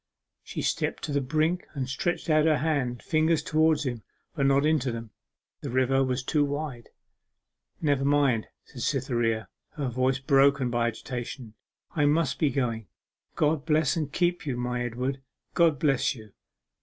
She stepped to the brink and stretched out her hand and fingers towards his, but not into them. The river was too wide. 'Never mind,' said Cytherea, her voice broken by agitation, 'I must be going. God bless and keep you, my Edward! God bless you!